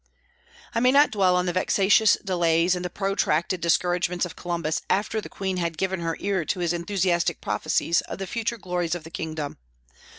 I may not dwell on the vexatious delays and the protracted discouragements of Columbus after the Queen had given her ear to his enthusiastic prophecies of the future glories of the kingdom.